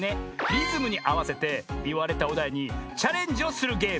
リズムにあわせていわれたおだいにチャレンジをするゲーム。